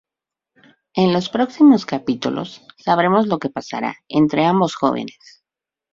En los próximos capítulos sabremos lo que pasara entre ambos jóvenes.